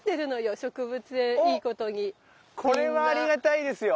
おっこれはありがたいですよ。